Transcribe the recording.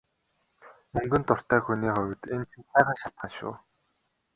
Мөнгөнд дуртай хүний хувьд энэ чинь сайхан шалтгаан шүү.